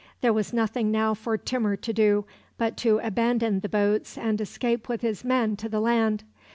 There was nothing now for Timur to do but to abandon the boats and escape with his men to the land.